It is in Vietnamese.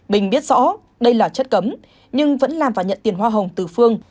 bình biết rõ đây là chất cấm nhưng vẫn làm và nhận tiền hoa hồng từ phương